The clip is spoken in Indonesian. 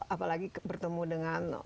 apalagi bertemu dengan